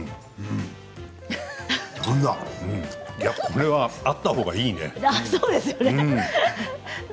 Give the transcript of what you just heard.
これはあったほうがいいね。